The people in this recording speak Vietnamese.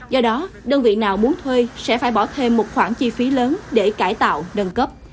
do đó đơn vị nào muốn thuê sẽ phải bỏ thêm một khoản chi phí lớn để cải tạo nâng cấp